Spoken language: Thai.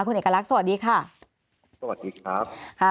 คุณเอกลักษมณ์สวัสดีค่ะคุณเอกลักษมณ์สวัสดีครับ